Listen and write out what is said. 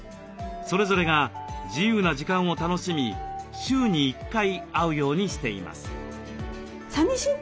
それぞれが自由な時間を楽しみ週に１回会うようにしています。